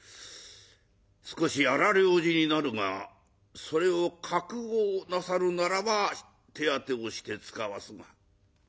少し荒療治になるがそれを覚悟なさるならば手当てをしてつかわすが」。